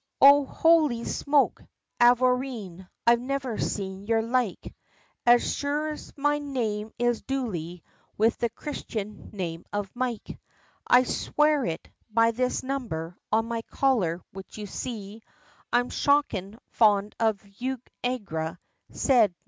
"O hoky smoke! avourneen, I never seen yer like, As sure's me name is Dooley, with the christian name of Mike, I sware it, by this number, on my collar, which you see, I'm shockin' fond of you agra," said No.